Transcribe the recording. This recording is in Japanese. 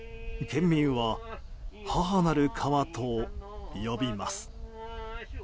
県民は、母なる川と呼びます。